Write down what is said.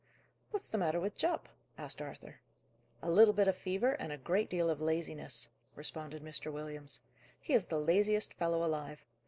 "What's the matter with Jupp?" asked Arthur. "A little bit of fever, and a great deal of laziness," responded Mr. Williams. "He is the laziest fellow alive.